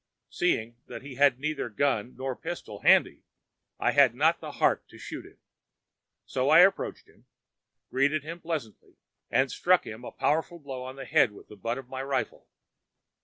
Seeing that he had neither gun nor pistol handy I had not the heart to shoot him, so I approached him, greeted him pleasantly and struck him a powerful blow on the head with the butt of my rifle.